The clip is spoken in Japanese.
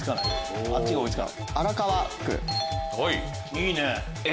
いいね！